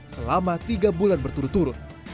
selama tiga bulan berturut turut